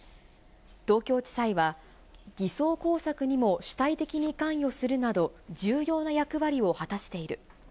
東京地裁は、偽装工作にも主体的に関与するなど、重要な役割を果たしている。